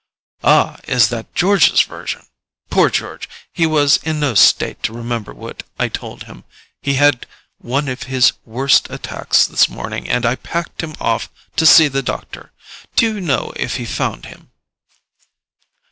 "Ah, is that George's version? Poor George—he was in no state to remember what I told him. He had one of his worst attacks this morning, and I packed him off to see the doctor. Do you know if he found him?"